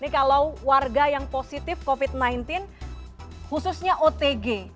kalau warga yang positif covid sembilan belas khususnya otg